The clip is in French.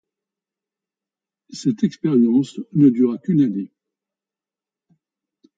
Cette expérience ne dura qu’une année.